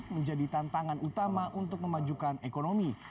menjadi tantangan utama untuk memajukan ekonomi